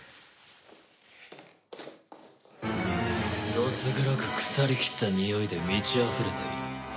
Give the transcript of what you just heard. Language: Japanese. どす黒く腐りきったにおいで満ちあふれている。